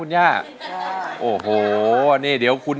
ร้องได้ให้ร้อง